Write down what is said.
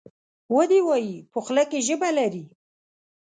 ودي وایي ! په خوله کې ژبه لري .